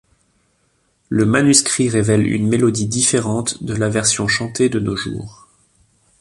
Le manuscrit révèle une mélodie différente de la version chantée de nos jours.